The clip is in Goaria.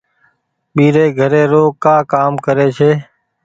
ٻيري گهري رو ڪآ ڪآم ڪري ڇي۔